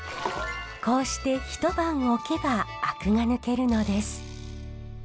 こうして一晩おけばアクが抜けるのです。